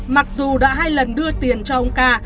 mặc dù đã hai lần đưa tiền cho ông ca